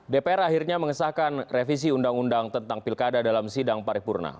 dpr akhirnya mengesahkan revisi undang undang tentang pilkada dalam sidang paripurna